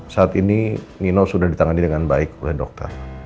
saat ini nino sudah ditangani dengan baik oleh dokter